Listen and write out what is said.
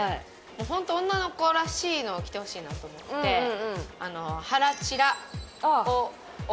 ホント女の子らしいのを着てほしいなと思って腹チラをオーダーしました。